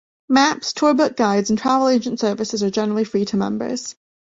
Maps, TourBook guides, and travel agent services are generally free to members.